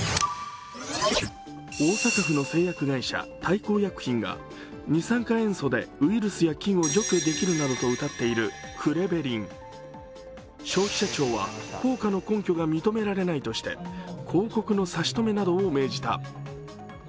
大阪府の製薬会社、大幸製薬が二酸化塩素でウイルスや菌を除去できるなどとうたっているクレベリン消費者庁は効果の根拠が認められないとして広告の差し止めなどを命じた。